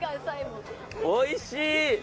おいしい！